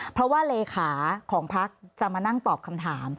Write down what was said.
เพราะว่าเลขาของพักจะมานั่งตอบคำถาม